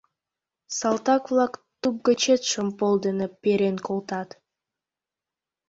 Салтак-влак туп гычет шомпол дене перен колтат.